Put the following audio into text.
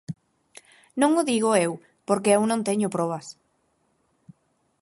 Non o digo eu porque eu non teño probas.